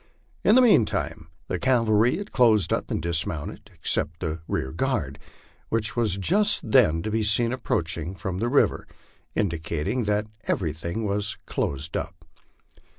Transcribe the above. In the mean time the cavalry had closed up and dismounted, except the rear guard, which was just then to be seen approaching from the river, indicating that "every tiling was closed up."